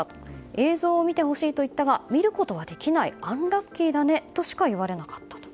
映像を見てほしいと言ったが見ることはできないアンラッキーだねとしか言われなかったと。